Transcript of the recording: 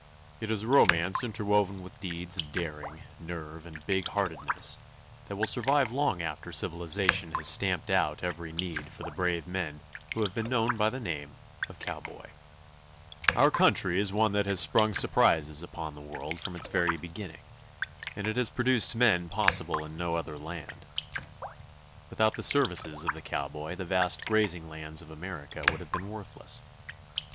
It is a romance interwoven with deeds of daring, nerve, and big heartedness that will survive long after civilization has stamped out every need for the brave men who have been known by the name of cowboy. [Illustration: COWBOYS LASSOING WILD HORSES.] Our country is one that has sprung surprises upon the world from its very beginning, and it has produced men possible in no other land. Without the services of the cowboy the vast grazing lands of America would have been worthless.